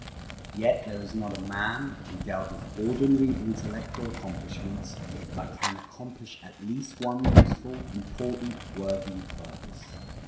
Yet there is not a man, endowed with ordinary intellect or accomplishments, but can accomplish at least one useful, important, worthy purpose.